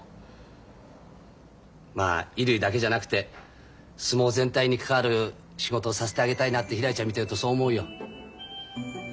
まあ衣類だけじゃなくて相撲全体に関わる仕事をさせてあげたいなってひらりちゃん見てるとそう思うよ。